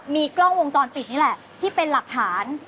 มีกล้องวงจรปิดนี่แหละที่เป็นหลักฐาน